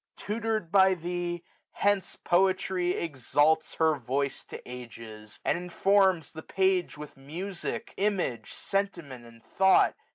Tutor'd by thee, hence Poetry exalts Her voice to ages ; and informs the page With music, image, sentiment, and thought.